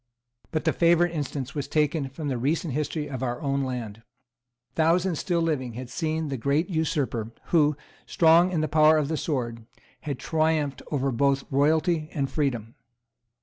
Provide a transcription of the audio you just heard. But the favourite instance was taken from the recent history of our own land. Thousands still living had seen the great usurper, who, strong in the power of the sword, had triumphed over both royalty and freedom.